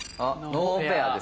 ノーペア。